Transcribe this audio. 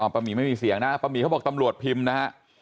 หมีไม่มีเสียงนะป้าหมีเขาบอกตำรวจพิมพ์นะฮะ